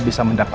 bukti baru apa